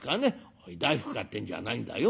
「おい大福買ってんじゃないんだよ。